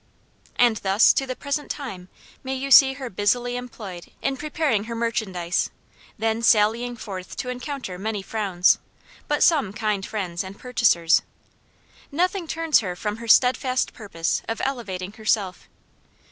And thus, to the present time, may you see her busily employed in preparing her merchandise; then sallying forth to encounter many frowns, but some kind friends and purchasers. Nothing turns her from her steadfast purpose of elevating herself.